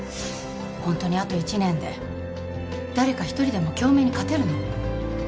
本当にあと１年で誰か一人でも京明に勝てるの？